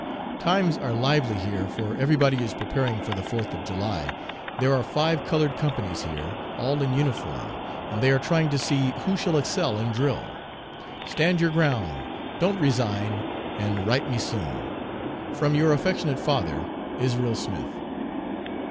"'Times are lively here, for everybody is preparing for the Fourth of July. There are five colored companies here, all in uniform, and they are trying to see who shall excel in drill. "'Stand your ground; don't resign, and write me soon. "'From your affectionate father, "'ISRAEL SMITH.'"